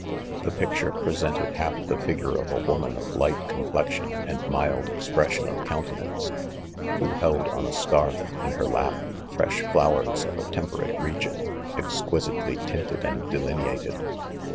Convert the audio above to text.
The picture presented half the Jigure of a woman of light complexion and mild expression of countenance, who held on a scarf, in her lap, fresh • flowers of a tem perate region, exquisitely tinted and delineated.